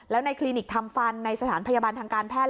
แล้วในคลินิกทำฟันในสถานพยาบาลทางการแพทย์